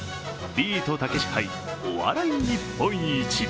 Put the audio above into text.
ビートたけし杯お笑い日本一。